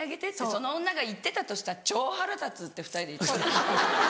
その女が言ってたとしたら超腹立つって２人で言ってた。